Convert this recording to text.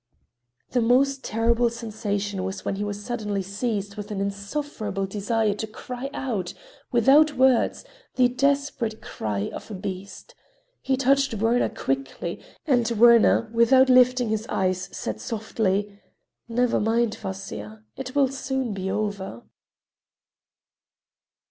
The most terrible sensation was when he was suddenly seized with an insufferable desire to cry out, without words, the desperate cry of a beast. He touched Werner quickly, and Werner, without lifting his eyes, said softly: "Never mind, Vasya. It will soon be over."